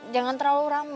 jangan terlalu rame